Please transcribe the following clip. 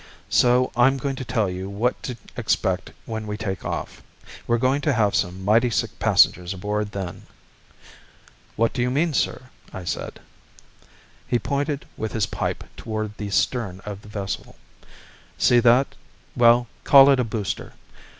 So I'm going to tell you what to expect when we take off. We're going to have some mighty sick passengers aboard then." "What do you mean, sir?" I said. He pointed with his pipe toward the stern of the vessel. "See that ... well, call it a booster.